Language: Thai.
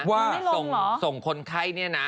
ว่าส่งคนไข้เนี่ยนะ